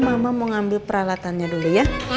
mama mau ambil peralatannya dulu ya